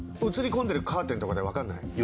写り込んでるカーテンとかで分かんない？